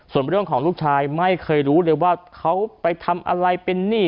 ส่วนเรื่องของลูกชายไม่เคยรู้เลยว่าเขาไปทำอะไรเป็นหนี้